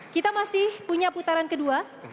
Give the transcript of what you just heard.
kita masih punya putaran kedua